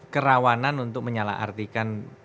kerawanan untuk menyalah artikan